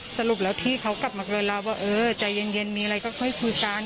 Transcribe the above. สรุปแล้วพี่เขากลับมาเกินเราว่าเออใจเย็นมีอะไรก็ค่อยคุยกัน